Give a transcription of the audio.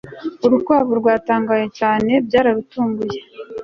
urukwavu rwatangaye cyane, byararutunguye